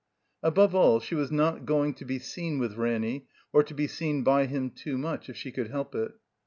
Above all, she was not going to be seen with Ranny, or to be seen by him too much, if she could help it.